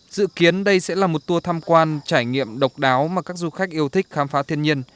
dự kiến đây sẽ là một tour tham quan trải nghiệm độc đáo mà các du khách yêu thích khám phá thiên nhiên